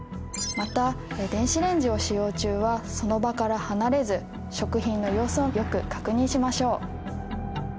また電子レンジを使用中はその場から離れず食品の様子をよく確認しましょう。